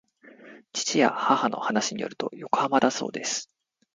父や母の話によると横浜だそうです